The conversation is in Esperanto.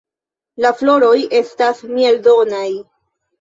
La floroj estas mieldonaj.